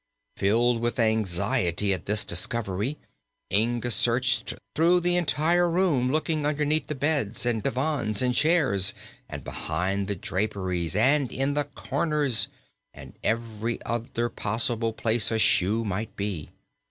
Filled with anxiety at this discovery, Inga searched through the entire room, looking underneath the beds and divans and chairs and behind the draperies and in the corners and every other possible place a shoe might be.